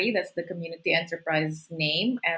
itu nama perusahaan kebanyakan